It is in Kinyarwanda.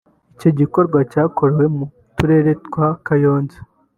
Icyo gikorwa cyakorewe mu turere twa Kayonza